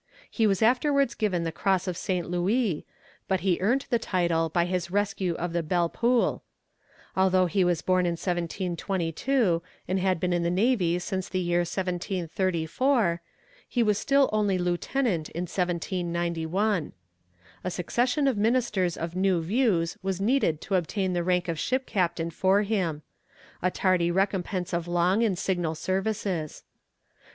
He was afterwards given the cross of St. Louis, but he earned the title by his rescue of the Belle Poule. Although he was born in 1722, and had been in the navy since the year 1734, he was still only lieutenant in 1791. A succession of ministers of new views was needed to obtain the rank of ship captain for him: a tardy recompense of long and signal services.